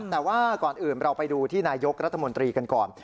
แต่ว่าก่อนอื่นเราไปดูที่นายกรัฐมนตรีกันก่อน